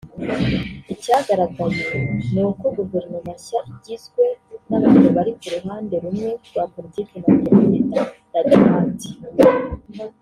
Icyagaragaye ni uko guverinoma nshya igizwe n’abantu bari ku ruhande rumwe rwa politiki na perezida (La Droite)